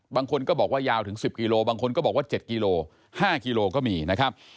บางคนก็บอกว่ายาวถึง๑๐กิโลบางคนก็บอกว่า๗กิโล๕กิโลก็มีนะครับ